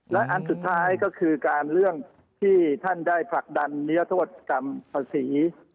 และอันสุดท้ายก็คือการเรื่องที่ท่านได้ผลักดันเนื้อโทษกรรมภาษี